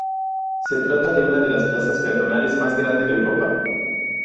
Se trata de una de las plazas peatonales más grande de Europa.